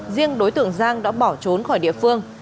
riêng đối tượng giang đã bỏ trốn khỏi địa phương